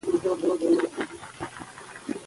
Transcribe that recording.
سمندر نه شتون د افغانستان په هره برخه کې موندل کېږي.